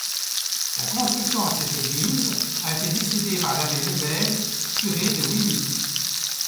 La construction de cette église a été décidée par l'abbé Lebègue, curé de Wimille.